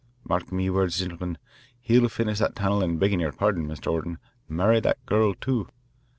Mark me wurds, gintlemen, he'll finish that tunnel an' beggin' yer pardon, Mr. Orton, marry that gurl, too.